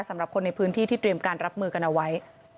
สำหรับคนในพื้นที่ที่เตรียมการรับมือกันเอาไว้